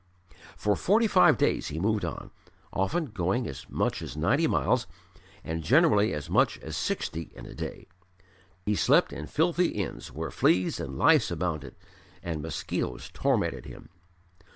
For forty five days he moved on, often going as much as ninety miles, and generally as much as sixty in a day. He slept in filthy inns where fleas and lice abounded and mosquitoes tormented him.